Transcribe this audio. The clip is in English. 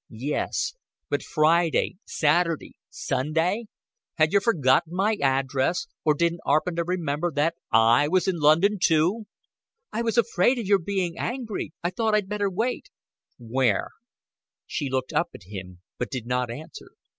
"Yes, but Friday, Saturday, Sunday? Had yer forgotten my address or didn' 'aarpen to remember that I was in London, too?" "I was afraid of your being angry. I thought I'd better wait." "Where?" She looked up at him, but did not answer.